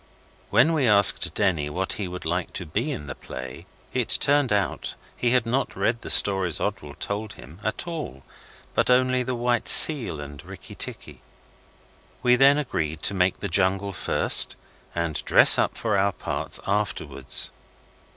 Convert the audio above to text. When we asked Denny what he would like to be in the play, it turned out he had not read the stories Oswald told him at all, but only the 'White Seal' and 'Rikki Tikki'. We then agreed to make the jungle first and dress up for our parts afterwards.